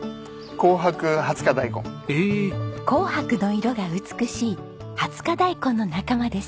紅白の色が美しい二十日大根の仲間です。